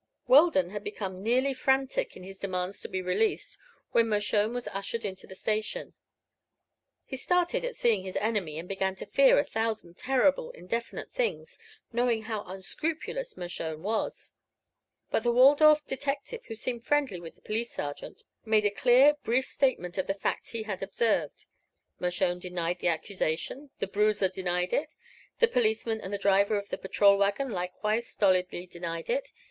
Weldon had become nearly frantic in his demands to be released when Mershone was ushered into the station. He started at seeing his enemy and began to fear a thousand terrible, indefinite things, knowing how unscrupulous Mershone was. But the Waldorf detective, who seemed friendly with the police sergeant, made a clear, brief statement of the facts he had observed. Mershone denied the accusation; the bruiser denied it; the policeman and the driver of the patrol wagon likewise stolidly denied it.